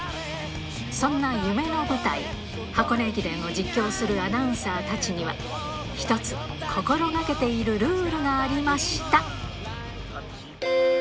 そんな夢の舞台、箱根駅伝を実況するアナウンサーたちには、一つ、心がけているルールがありました。